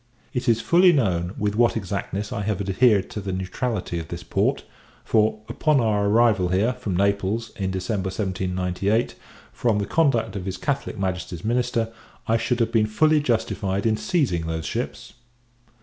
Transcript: It is fully known, with what exactness I have adhered to the neutrality of this port; for, upon our arrival here, from Naples, in December 1798, from the conduct of his Catholic Majesty's minister, I should have been fully justified in seizing those ships.